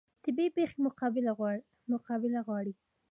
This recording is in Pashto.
طبیعي پیښې مقابله غواړي